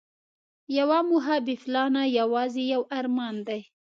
یوه موخه بې پلانه یوازې یو ارمان دی.